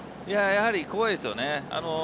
やはり怖いですよね。